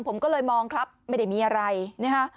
ผมก็เลยมองครับไม่ได้มีอะไรนะฮะ